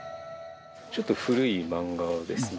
ちょっと古い漫画ですね。